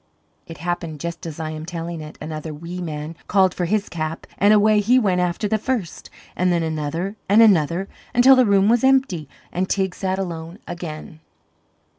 It happened just as I am telling it. Another wee man called for his cap, and away he went after the first. And then another and another until the room was empty and Teig sat alone again.